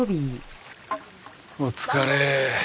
お疲れ。